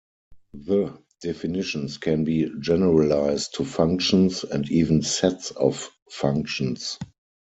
The definitions can be generalized to functions and even sets of functions.